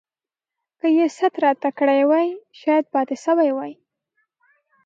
که يې ست راته کړی وای شايد پاته سوی وای.